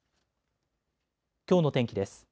きょうの天気です。